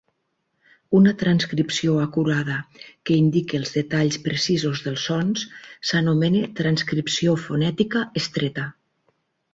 Una transcripció acurada que indica els detalls precisos dels sons s'anomena "transcripció fonètica estreta".